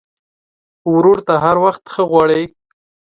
ورور ته هر وخت ښه غواړې.